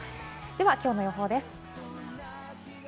今日の予報です。